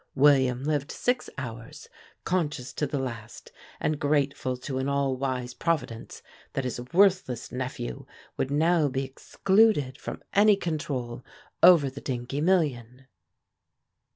William lived six hours, conscious to the last and grateful to an all wise Providence that his worthless nephew would now be excluded from any control over the Dingee million.